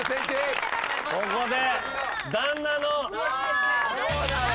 ここで。